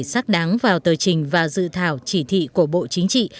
xác đáng vào tờ trình và dự thảo chỉ thị của bộ chính trị